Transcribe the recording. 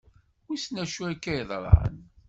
Wissen acu akka yeḍran.